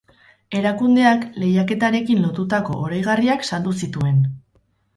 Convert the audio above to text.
Erakundeak lehiaketarekin lotutako oroigarriak saldu zituen.